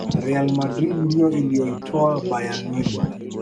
real madrid ndiyo iliyoitoa bayern munich